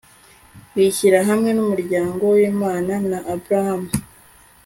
bishyira hamwe n'umuryango w'imana ya abrahamu